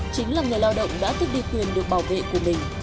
chính là người lao động đã thức đi quyền được bảo vệ của mình